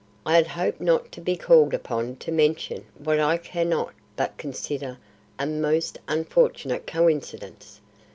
I had hoped not to be called upon to mention what I cannot but consider a most unfortunate coincidence.